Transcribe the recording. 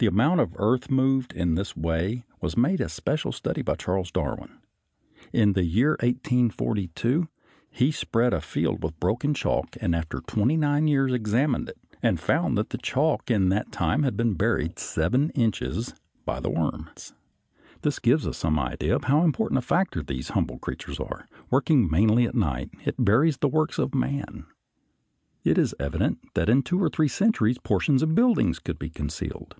The amount of earth moved in this way was made a special study by Charles Darwin. In the year 1842 he spread a field with broken chalk, and after twenty nine years examined it and found that the chalk in that time had been buried seven inches by the worms. [Illustration: FIG. 74. Earthworm: c, egg; d, young escaping from egg.] This gives us some idea of how important a factor these humble creatures are, working mainly at night, in burying the works of man. It is evident that in two or three centuries portions of buildings could be concealed.